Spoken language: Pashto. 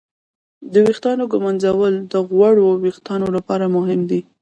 د ویښتانو ږمنځول د غوړو وېښتانو لپاره مهم دي.